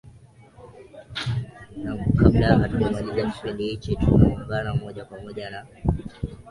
naam kabla hatujamaliza kipindi hiki tunaungana moja kwa moja na